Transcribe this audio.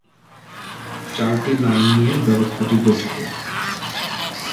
চারটি লাইন নিয়ে ব্যবস্থাটি গঠিত।